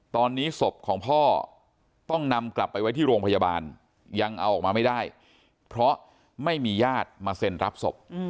ตอนนี้ศพของพ่อต้องนำกลับไปไว้ที่โรงพยาบาลยังเอาออกมาไม่ได้เพราะไม่มีญาติมาเซ็นรับศพ